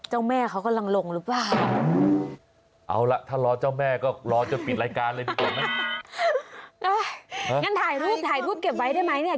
หยั่งน้ำถ่ายรูปเก็บไว้ได้ไหมเนี่ย